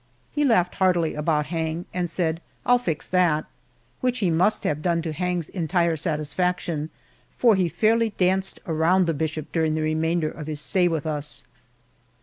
He laughed heartily about Hang, and said, "I'll fix that," which he must have done to Hang's entire satisfaction, for he fairly danced around the bishop during the remainder of his stay with us.